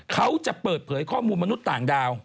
เขาจะเปิดเผยข้อมูลมนุษย์ต่างดาว